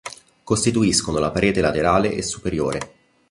Costituiscono la parete laterale e superiore.